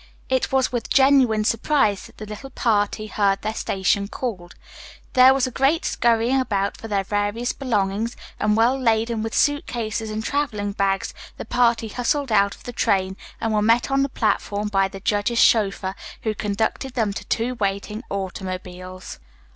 It was with genuine surprise that the little party heard their station called. There was a great scurrying about for their various belongings, and well laden with suit cases and traveling bags the party hustled out of the train and were met on the platform by the judge's chauffeur, who conducted them to two waiting automobiles.